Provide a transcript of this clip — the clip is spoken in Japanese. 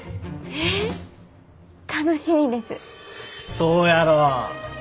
そうやろ？